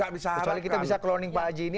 kembali kita bisa cloning pak haji ini